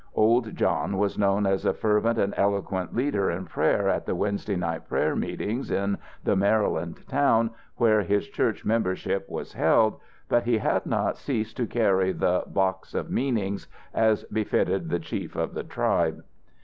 Old John was known as a fervent and eloquent leader in prayer at the Wednesday night prayer meetings in the Maryland town where his church membership was held, but he had not ceased to carry the "box of meanings," as befitted the chief of the tribe.